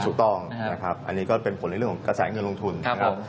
ถูกต้องนะครับอันนี้ก็เป็นผลในเรื่องของกระแสเงินลงทุนนะครับ